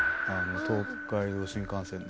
東海道新幹線の。